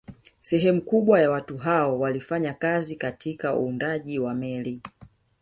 Sehemu kubwa ya watu hao walifanya kazi katika uundaji wa meli